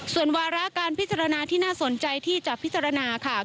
ส่วนวาระการพิจารณาที่น่าสนใจที่จะพิจารณาค่ะ